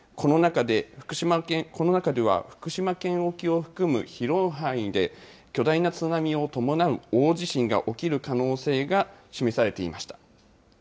この中では、福島県沖を含む広い範囲で巨大な津波を伴う大地震が起きる可能性が示されていました。